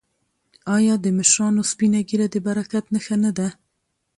آیا د مشرانو سپینه ږیره د برکت نښه نه ده؟